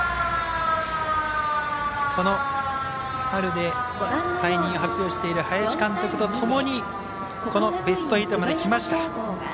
この春で退任を発表している林監督とともにこのベスト８まできました。